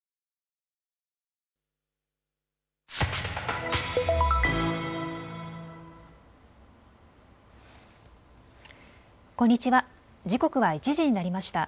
時刻は１時になりました。